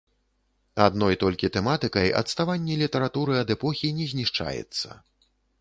Адной толькі тэматыкай адставанне літаратуры ад эпохі не знішчаецца.